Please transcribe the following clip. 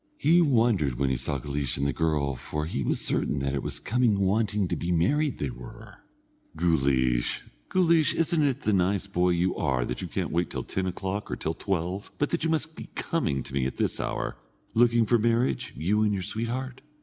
He wondered when he saw Guleesh and the girl, for he was certain that it was coming wanting to be married they were. "Guleesh, Guleesh, isn't it the nice boy you are that you can't wait till ten o'clock or till twelve, but that you must be coming to me at this hour, looking for marriage, you and your sweetheart?